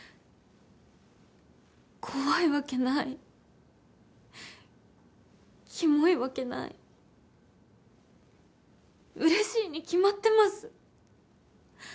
怖いわけないきもいわけないうれしいに決まってます